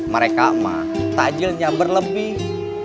mereka mah tajilnya berlebih